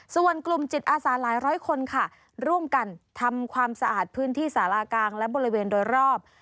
ส่วนกลุ่มจิตอาสาหลายร้อยคนค่ะร่วมกันทำความสะอาดพื้นที่สารากลางและบริเวณโดยรอบ